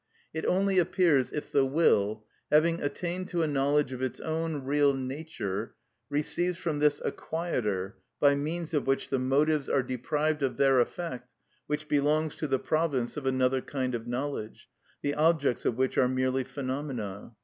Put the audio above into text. It only appears if the will, having attained to a knowledge of its own real nature, receives from this a quieter, by means of which the motives are deprived of their effect, which belongs to the province of another kind of knowledge, the objects of which are merely phenomena.